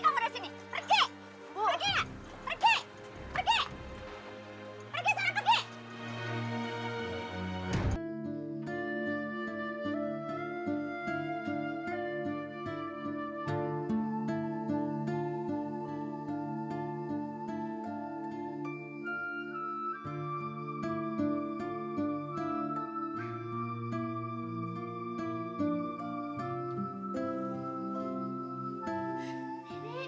pergi kamu dari sini pergi